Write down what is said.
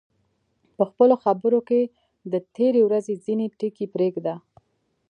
په خپلو خبرو کې د تېرې ورځې ځینې ټکي پرېږده.